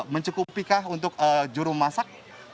mencukupi untuk jurum masak